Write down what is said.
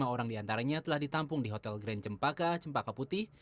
tiga ratus lima orang di antaranya telah ditampung di hotel grand cempaka cempaka putih